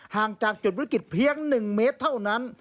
ห่างจากจุดวิกฤตเพียง๑เมตรเท่านั้น